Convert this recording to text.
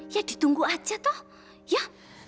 ya ditunggu aja toh ya